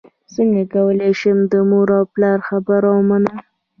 څنګه کولی شم د مور او پلار خبره ومنم